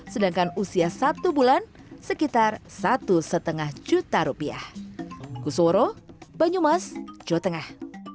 sedangkan usia satu bulan sekitar satu lima juta rupiah